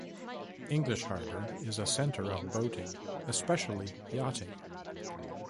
English Harbour is a centre of boating, especially yachting.